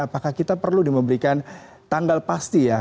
apakah kita perlu di memberikan tanggal pasti ya